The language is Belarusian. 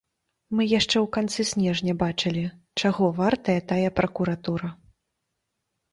Мы яшчэ ў канцы снежня бачылі, чаго вартая тая пракуратура.